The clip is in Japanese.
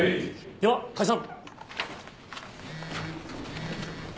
では解散。